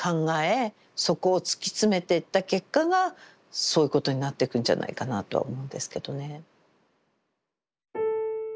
そこを突き詰めてった結果がそういうことになっていくんじゃないかなとは思うんですけどね。